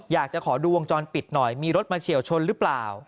อยากจะขอดูวงจรปิดหน่อยมีรถมาเฉียวชนหรือเปล่า